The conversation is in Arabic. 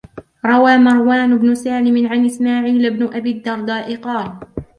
رَوَى مَرْوَانُ بْنُ سَالِمٍ عَنْ إسْمَاعِيلَ بْنِ أَبِي الدَّرْدَاءِ قَالَ